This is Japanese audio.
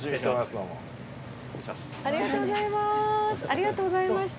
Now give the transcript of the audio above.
ありがとうございます。